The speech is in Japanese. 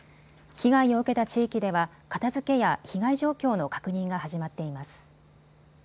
被害を受けた地域では片づけや被害状況の確認が始まっています。